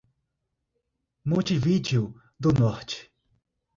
Montividiu do Norte